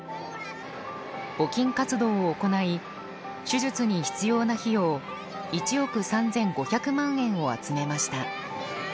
募金活動を行い手術に必要な費用１億３５００万円を集めました。